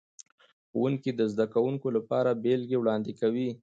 ښوونکي د زده کوونکو لپاره بیلګې وړاندې کوي.